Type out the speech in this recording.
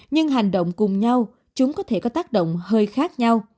nhưng hành động cùng nhau chúng có thể có tác động hơi khác nhau